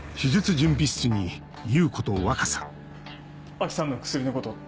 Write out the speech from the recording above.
安芸さんの薬のこと。